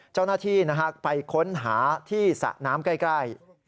เจ้าหน้าที่ไปค้นหาที่สระน้ำใกล้